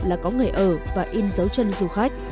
là có người ở và in dấu chân du khách